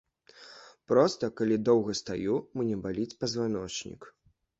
Проста, калі доўга стаю, мне баліць пазваночнік.